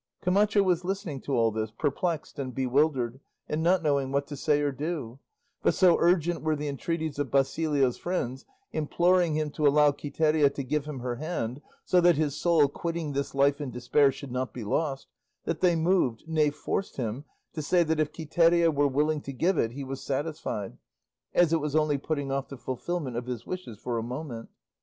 Camacho was listening to all this, perplexed and bewildered and not knowing what to say or do; but so urgent were the entreaties of Basilio's friends, imploring him to allow Quiteria to give him her hand, so that his soul, quitting this life in despair, should not be lost, that they moved, nay, forced him, to say that if Quiteria were willing to give it he was satisfied, as it was only putting off the fulfillment of his wishes for a moment.